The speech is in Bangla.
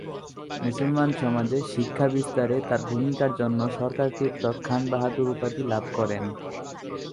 মুসলমান সমাজে শিক্ষা বিস্তারে তার ভূমিকার জন্য সরকার কর্তৃক "খান বাহাদুর" উপাধি লাভ করেন।